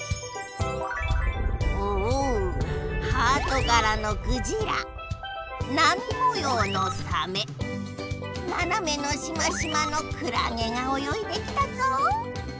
おおハートがらのクジラなみもようのサメななめのシマシマのクラゲがおよいできたぞ。